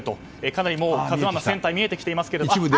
かなり「ＫＡＺＵ１」の船体が見えてきていますが。